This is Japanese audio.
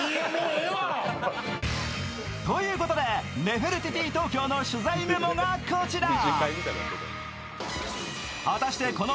ネフェルティティ東京の取材メモがこちら。